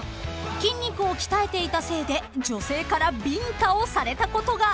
［筋肉を鍛えていたせいで女性からビンタをされたことが］